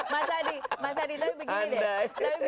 mas adi mas adi tapi begini deh